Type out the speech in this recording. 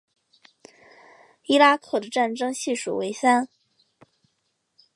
伊拉克的战争系数为三。